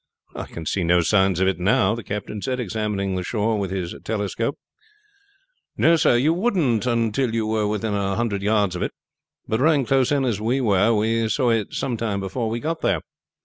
"I can see no signs of it now," the captain said, examining the shore with his telescope. "No, sir; you wouldn't until you were within a hundred yards of it. But rowing close in as we were we saw it some time before we got there.